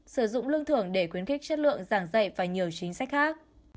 sử dụng lương thưởng để khuyến khích chất lượng giảng dạy và nhiều chính sách khác